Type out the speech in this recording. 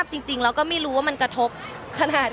พอเรียนอฟฟิตแบบนี้แล้วเราต้องเปลี่ยนไหมค่ะ